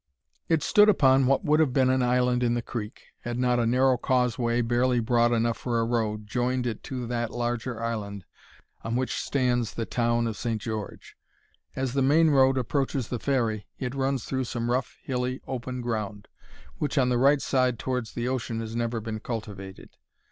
It stood upon what would have been an island in the creek, had not a narrow causeway, barely broad enough for a road, joined it to that larger island on which stands the town of St. George. As the main road approaches the ferry it runs through some rough, hilly, open ground, which on the right side towards the ocean has never been cultivated.